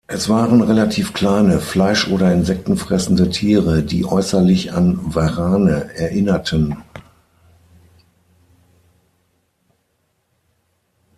Es waren relativ kleine, fleisch- oder insektenfressende Tiere, die äußerlich an Warane erinnerten.